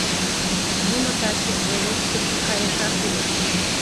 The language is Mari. Нуно таче волостьыш кайышаш улыт.